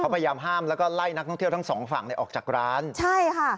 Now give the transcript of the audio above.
พยายามห้ามแล้วก็ไล่นักท่องเที่ยวทั้งสองฝั่งเนี่ยออกจากร้านใช่ค่ะ